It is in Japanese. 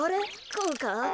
こうか。